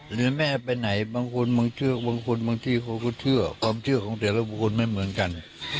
หรือแม่ไปไหนบางคนบางทีเขาก็เชื่อความเชื่อของแต่ละบุคคลไม่เหมือนกัน